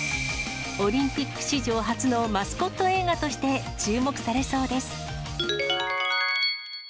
オリンピック史上初のマスコット映画として注目されそうです。